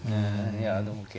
いやでも桂。